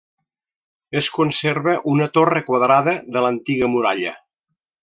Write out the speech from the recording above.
Es conserva una torre quadrada de l'antiga muralla.